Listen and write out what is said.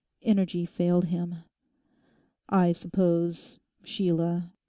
Energy failed him. 'I suppose—Sheila...